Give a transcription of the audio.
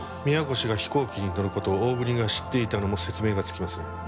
宮越が飛行機に乗る事を大國が知っていたのも説明がつきますね。